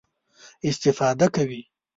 استفاده کوي.